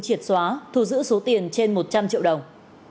triệt xóa thu giữ số tiền trên một trăm linh triệu đồng